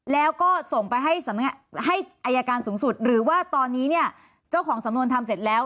แล้วก็ส่งไปให้อายการสูงสุดหรือว่าตอนนี้เนี่ยเจ้าของสำนวนทำเสร็จแล้ว